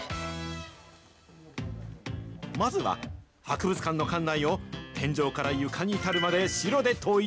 まずは、博物館の館内を、天井から床に至るまで白で統一。